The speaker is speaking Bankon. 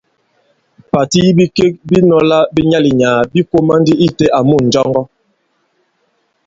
Pàti yi bikek bi nɔ̄lā bi nyaà-li-nyàà bī kōmā ndi itē àmu ǹnjɔŋgɔ.